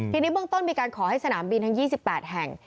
ทีนี้เบื้องต้นมีการขอให้สนามบินทั้ง๒๘แห่ง